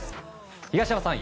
東山さん